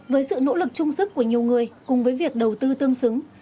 với sự nỗ lực trung sức của nhiều người cùng với việc đầu tư tương xứng